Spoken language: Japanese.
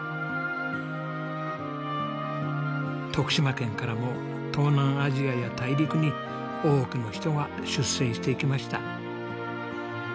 徳島県からも東南アジアや大陸に多くの人が出征していきました。